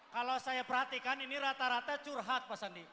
kalau saya perhatikan ini rata rata curhat pak sandi